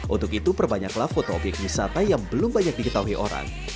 untuk itu perbanyaklah foto obyek wisata yang belum banyak diketahui orang